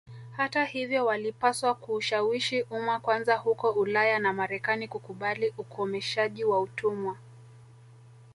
Hata hivyo walipaswa kuushawishi umma kwanza huko Ulaya na Marekani kukubali ukomeshaji wa utumwa